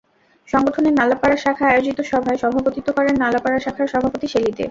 সংগঠনের নালাপাড়া শাখা আয়োজিত সভায় সভাপতিত্ব করেন নালাপাড়া শাখার সভাপতি শেলী দে।